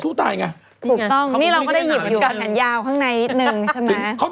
ค่ะครอบคุณจริง